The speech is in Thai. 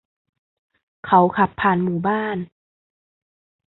เขาขับผ่านหมู่บ้าน